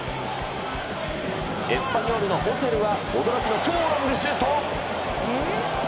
エスパニョールのホセルは、驚きの超ロングシュート。